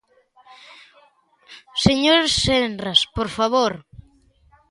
Señor Senras, ¡por favor!